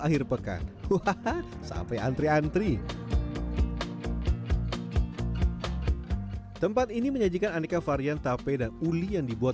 akhir pekan hahaha sampai antri antri tempat ini menyajikan aneka varian tape dan uli yang dibuat